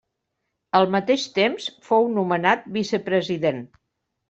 Al mateix temps fou nomenat vicepresident.